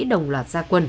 đồng loạt gia quân